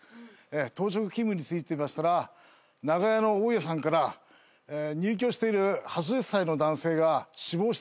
当直勤務に就いていましたら長屋の大家さんから入居している８０歳の男性が死亡していると。